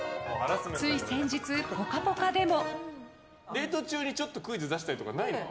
つい先日、「ぽかぽか」でも。